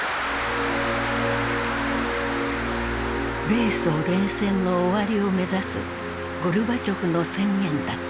米ソ冷戦の終わりを目指すゴルバチョフの宣言だった。